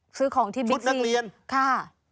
ซื้อของที่บ้านชุดนักเรียนค่ะ